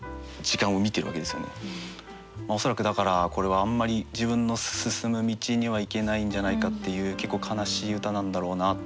恐らくだからこれはあんまり自分の進む道には行けないんじゃないかっていう結構悲しい歌なんだろうなって思います。